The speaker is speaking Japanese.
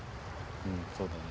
うんそうだね。